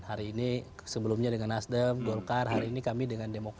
hari ini sebelumnya dengan nasdem golkar hari ini kami dengan demokrat